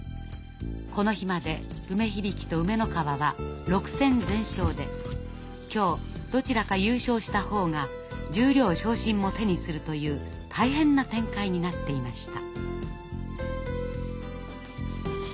この日まで梅響と梅ノ川は６戦全勝で今日どちらか優勝した方が十両昇進も手にするという大変な展開になっていました。